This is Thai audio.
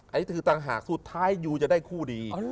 อันนี้คือต่างหากสุดท้ายยูจะได้คู่ดี